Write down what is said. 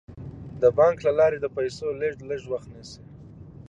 د بانک له لارې د پيسو لیږد لږ وخت نیسي.